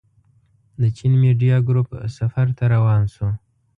د چين ميډيا ګروپ سفر ته روان شوو.